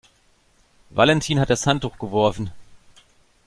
Valentin hat das Handtuch geworfen.